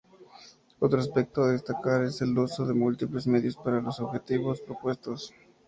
Otro aspecto a destacar, es el uso de múltiples medios para los objetivos propuestos.